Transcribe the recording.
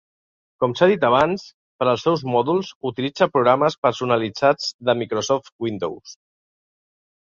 Com s'ha dit abans, per als seus mòduls utilitza programes personalitzats de Microsoft Windows.